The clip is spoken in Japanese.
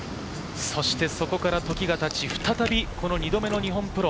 そこから時が経ち、再びこの２度目の日本プロ。